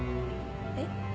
えっ？